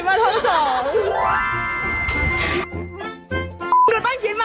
โหเมื่อข้อมูลวัน๖นาที